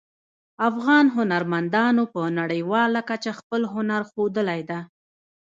افغان هنرمندانو په نړیواله کچه خپل هنر ښودلی ده